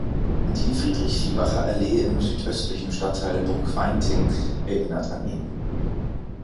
Die Friedrich-Viehbacher-Allee im südöstlichen Stadtteil Burgweinting erinnert an ihn.